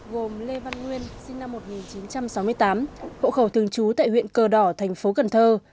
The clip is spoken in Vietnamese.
gồm lê văn nguyên sinh năm một nghìn chín trăm sáu mươi tám hộ khẩu thường chú tại huyện cờ đỏ tp cần thơ